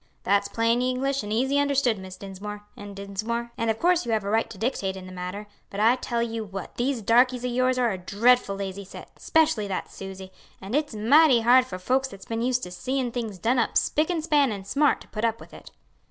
"That's plain English and easy understood, Miss Dinsmore, and Dinsmore, and of course you have a right to dictate in the matter; but I tell you what, these darkies o' yours are a dreadful lazy set, specially that Suse; and it's mighty hard for folks that's been used to seein' things done up spick and span and smart to put up with it."